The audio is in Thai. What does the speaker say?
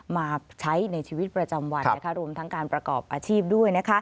มาใช้ในชีวิตประจำวันรวมทั้งการประกอบอาชีพด้วย